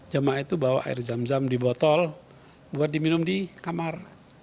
jemaah itu bawa air zam zam di botol buat diminum di kamar